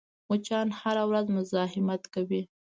مچان هره ورځ مزاحمت کوي